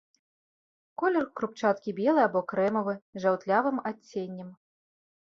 Колер крупчаткі белы або крэмавы, з жаўтлявым адценнем.